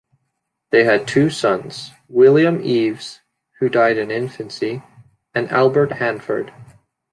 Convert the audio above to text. They had two sons, William Eves, who died in infancy, and Albert Hanford.